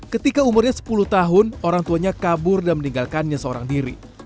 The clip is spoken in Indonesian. ketika umurnya sepuluh tahun orang tuanya kabur dan meninggalkannya seorang diri